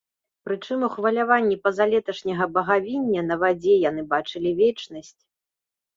Прычым у хваляванні пазалеташняга багавіння на вадзе яны бачылі вечнасць.